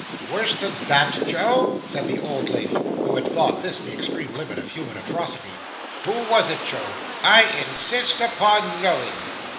'Worse than that, Joe!' said the old lady, who had thought this the extreme limit of human atrocity. 'Who was it, Joe? I insist upon knowing.